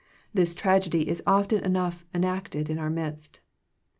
This tragedy is often enough enacted in our midst.